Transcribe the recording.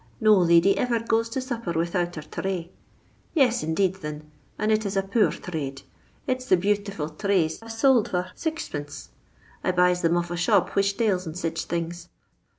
No lady iver goes to supper widout her therray.' Yes, indeed, thin, and it is a poor therrade. It 's the bhutiful therrays I 've sould for 6c2. I buys them of a shop which dales in sich things.